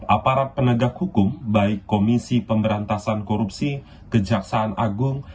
aparat penegak hukum baik komisi pemberantasan korupsi kejaksaan agung